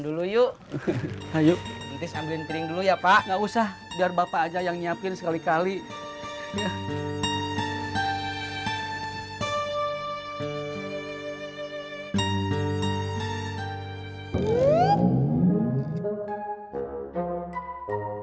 dulu yuk yuk ambilin piring dulu ya pak enggak usah biar bapak aja yang nyiapin sekali kali ya